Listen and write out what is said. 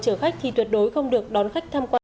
chở khách thì tuyệt đối không được đón khách tham quan